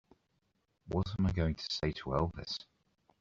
What am I going to say to Elvis?